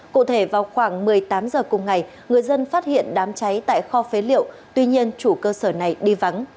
cụ thể vào khoảng một mươi tám h cùng ngày người dân phát hiện đám cháy tại kho phế liệu tuy nhiên chủ cơ sở này đi vắng